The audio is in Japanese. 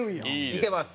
いけます。